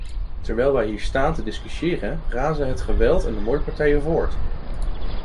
Terwijl wij hier staan te discussiëren, razen het geweld en de moordpartijen voort.